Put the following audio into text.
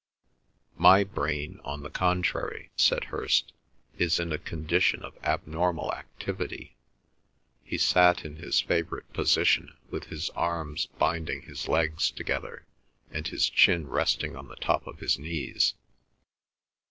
"My brain, on the contrary," said Hirst, "is in a condition of abnormal activity." He sat in his favourite position with his arms binding his legs together and his chin resting on the top of his knees.